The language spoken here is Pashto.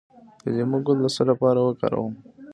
د لیمو ګل د څه لپاره وکاروم؟